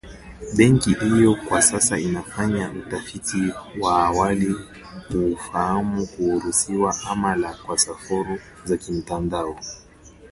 Benki hiyo kwa sasa inafanya utafiti wa awali kufahamu kuruhusiwa ama la kwa sarafu za kimtandao